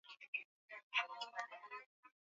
Tuna pashwa kwenda na shoka ya baba